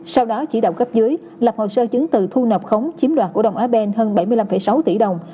sau đó chỉ đạo cấp dưới lập hồ sơ chứng từ thu nộp khống chiếm đoạt của đồng á ben hơn bảy mươi năm sáu tỷ đồng